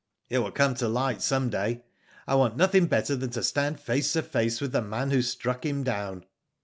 *'It will come to light some day. I want nothing better than to stand face to face with the man who struck him down."